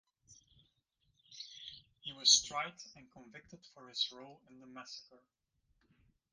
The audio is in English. He was tried and convicted for his role in the massacre.